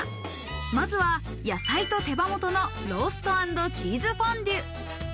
まずは野菜と手羽元のロースト＆チーズフォンデュ。